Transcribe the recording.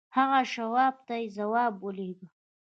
هغه شواب ته يې ځواب ولېږه.